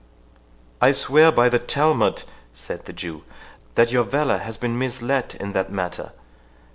"I swear by the Talmud," said the Jew, "that your valour has been misled in that matter.